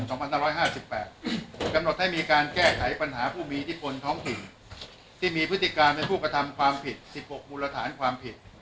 กำหนดให้มีการแก้ไขปัญหาผู้มีอิทธิพลท้องถิ่นที่มีพฤติการเป็นผู้กระทำความผิด๑๖มูลฐานความผิด